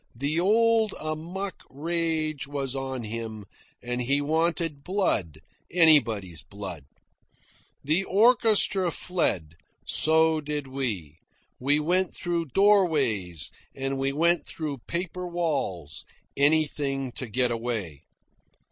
The old amuck rage was on him, and he wanted blood, anybody's blood. The orchestra fled; so did we. We went through doorways, and we went through paper walls anything to get away.